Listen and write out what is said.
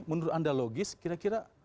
menurut anda logis kira kira